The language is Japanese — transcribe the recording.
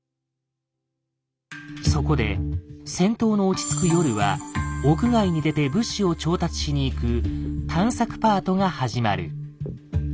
そこで戦闘の落ち着く夜は屋外に出て物資を調達しに行く「探索パート」が始まる。